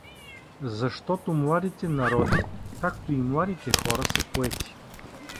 Защото младите народи, както и младите хора, са поети.